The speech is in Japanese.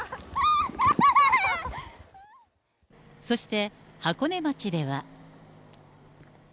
そして箱根町では。